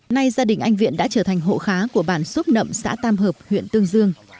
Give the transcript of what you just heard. nay gia đình anh viện đã trở thành hộ khá của bản súc nậm xã tam hợp huyện tương dương